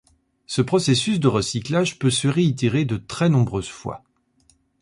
Ce processus de recyclage peut se réitérer de très nombreuses fois.